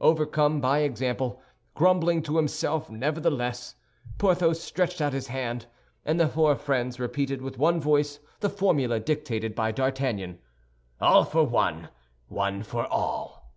Overcome by example, grumbling to himself, nevertheless, Porthos stretched out his hand, and the four friends repeated with one voice the formula dictated by D'Artagnan: "All for one, one for all."